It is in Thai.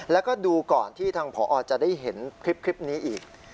แล้วก็ดูก่อนที่ทางผอจะได้เห็นคลิปนี้อีก